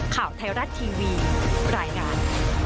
ข่าวไทยรัฐทีวีรายงาน